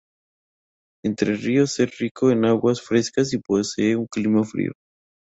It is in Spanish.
Entrerríos es rico en aguas frescas y posee un clima frío.